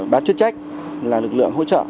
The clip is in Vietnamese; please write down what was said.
bán chuyên trách là lực lượng hỗ trợ